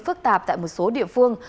phức tạp tại một số địa phương